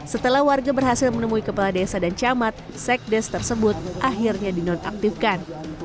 setelah warga berhasil menemui kepala desa dan camat sekdes tersebut akhirnya dinonaktifkan